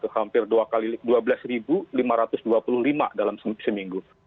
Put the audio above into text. hampir dua belas lima ratus dua puluh lima dalam seminggu